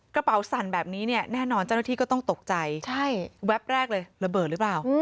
กระเป๋าสั่นแบบนี้เนี่ยแน่นอนเจ้าหน้าที่ก็ต้องตกใจแวบแรกเลยระเบิดหรือเปล่า